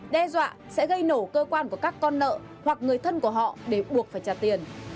đe dọa sẽ gây nổ cơ quan của các con nợ hoặc người thân của họ để buộc phải trả tiền